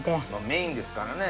メインですからね。